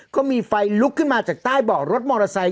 ก็มีไฟลุกขึ้นมาจากใต้เบาะรถมอเตอร์ไซค